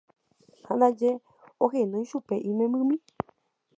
ha ndaje ohenói chupe imembymi.